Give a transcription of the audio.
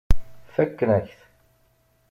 Fakken-ak-t.